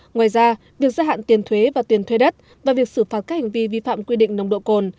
ngoài ra việc gia hạn tiền thuế và tiền thuê đất và việc xử phạt các hành vi vi phạm quy định nồng độ cồn